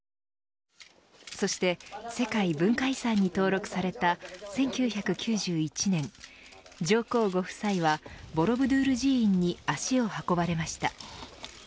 そして世界文化遺産に登録された１９９１年上皇ご夫妻はボロブドゥール寺院に足を運ばれました。